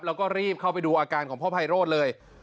แล้วก็รีบเข้าไปดูอาการของพ่อไพโรธเลย